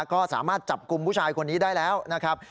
ก็สามารถจับกลุ่มผู้ชายคนนี้ได้แล้วนะครับ